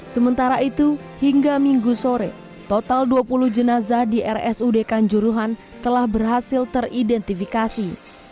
sementara itu hingga minggu sore total dua puluh jenazah di rsud kanjuruhan telah berhasil teridentifikasi